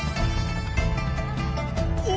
お！